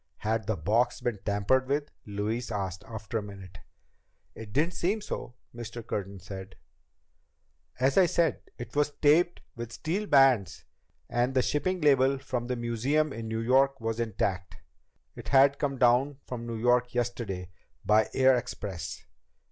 "Had the box been tampered with?" Louise asked, after a minute. "It didn't seem so," Mr. Curtin said. "As I say, it was taped with steel bands, and the shipping label from the museum in New York was intact. It had come down from New York yesterday by air express